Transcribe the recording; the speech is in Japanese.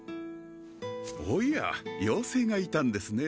おや妖精がいたんですね